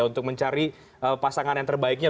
untuk mencari pasangan yang terbaiknya